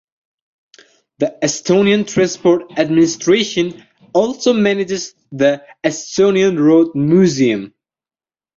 The Estonian Transport Administration also manages the Estonian Road Museum.